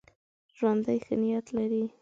ژوندي ښه نیت لري